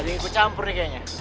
adik gue campurnya kayaknya